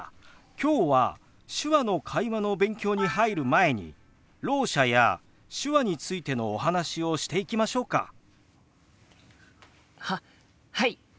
今日は手話の会話の勉強に入る前にろう者や手話についてのお話をしていきましょうか。ははい！